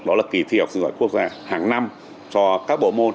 đó là kỳ thi học dự giỏi quốc gia hàng năm cho các bộ môn